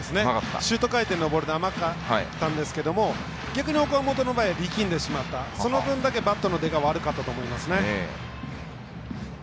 シュート回転のボールが甘かったんですけど逆に岡本の場合は力んでしまったその分だけバットの出が悪かったと思いますね。